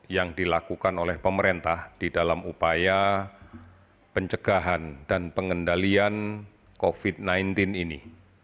yang dilakukan oleh pemerintah di dalam upaya pencegahan dan pengendalian covid sembilan belas ini